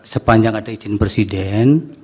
sepanjang ada izin presiden